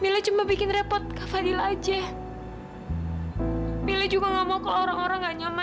sampai jumpa di video selanjutnya